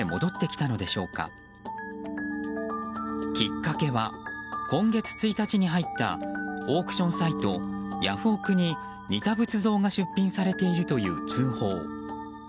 きっかけは、今月１日に入ったオークションサイトヤフオク！に似た仏像が出品されているという通報。